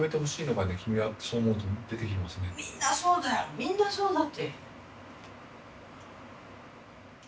みんなそうだって。